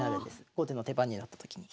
後手の手番になった時に。